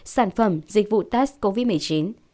sản phẩm dịch vụ test covid một mươi chín